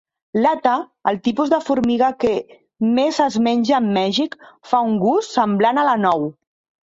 L'"atta", el tipus de formiga que més es menja en Mèxic, fa un gust semblant a la nou.